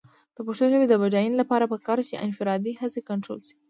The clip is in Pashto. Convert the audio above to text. د پښتو ژبې د بډاینې لپاره پکار ده چې انفرادي هڅې کنټرول شي.